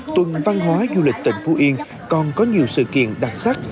tuần văn hóa du lịch tỉnh phú yên còn có nhiều sự kiện đặc sắc